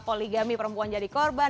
poligami perempuan jadi korban